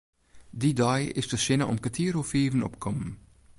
Dy dei is de sinne om kertier oer fiven opkommen.